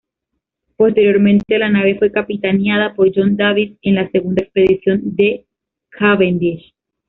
Posteriormente la nave fue capitaneada por John Davis en la segunda expedición de Cavendish.